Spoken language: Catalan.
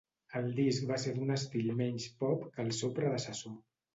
El disc va ser d'un estil menys pop que el seu predecessor.